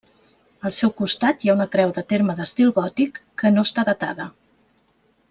Al seu costat hi ha una creu de terme d'estil gòtic, que no està datada.